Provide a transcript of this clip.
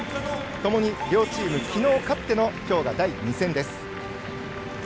ともに両チーム、きのう勝ってのきょうが第２戦です。